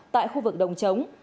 tại khu vực đồng chống